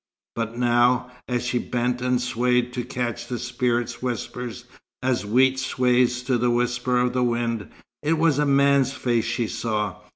But now, as she bent and swayed to catch the spirit's whispers, as wheat sways to the whisper of the wind, it was a man's face she saw.